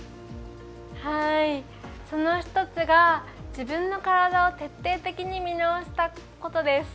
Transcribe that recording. その１つが自分の体を徹底的に見直したことです。